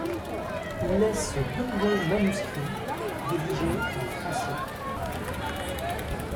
Il laisse deux long manuscrits, rédigés en français.